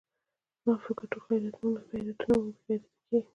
زما په فکر ټول غیرتونه مو بې غیرته کېږي.